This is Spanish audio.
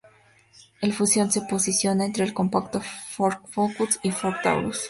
El Fusion se posiciona entre el compacto Ford Focus y el Ford Taurus.